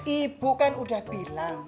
ibu kan udah bilang